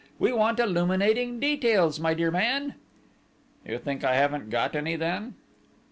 We want illuminating details, my dear man!" "You think I haven't got any, then?...